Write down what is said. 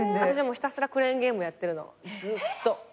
ひたすらクレーンゲームやってるずっと。